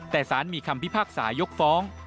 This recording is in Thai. แต่สารมีคำพิพากษายกฟ้อง